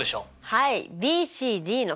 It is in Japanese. はい。